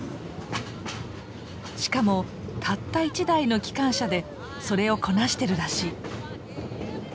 しかもたった１台の機関車でそれをこなしてるらしい。